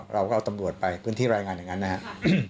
เราก็เอาตำรวจไปพื้นที่รายงานอย่างนั้นนะครับ